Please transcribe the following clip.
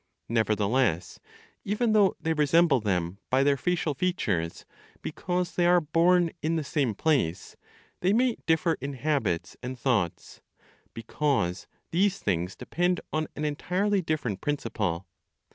Nevertheless, even though they resemble them by their facial features, because they are born in the same place, they may differ in habits and thoughts, because these things depend on an entirely different principle.